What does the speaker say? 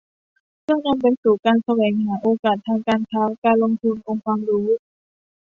เพื่อนำไปสู่การแสวงหาโอกาสทางการค้า การลงทุน องค์ความรู้